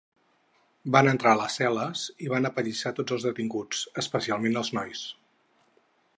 Van entrar a les cel·les i van apallissar tots els detinguts, especialment els nois.